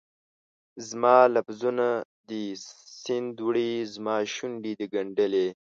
زما لفظونه دي سیند وړي، زماشونډې دي ګنډلي